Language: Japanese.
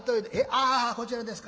「ああこちらですか。